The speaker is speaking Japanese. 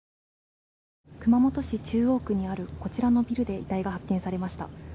熊本市中央区にあるこちらのビルで遺体が発見されました。